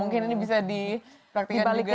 mungkin ini bisa diperhatikan juga